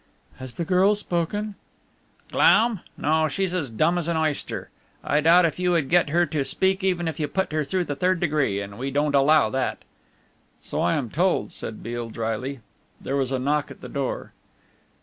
"Has the girl spoken?" "Glaum? No, she's as dumb as an oyster. I doubt if you would get her to speak even if you put her through the third degree, and we don't allow that." "So I am told," said Beale dryly. There was a knock at the door.